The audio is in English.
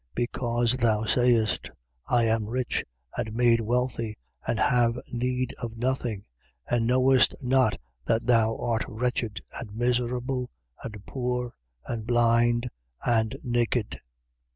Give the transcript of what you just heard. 3:17. Because thou sayest: I am rich and made wealthy and have need of nothing: and knowest not that thou art wretched and miserable and poor and blind and naked.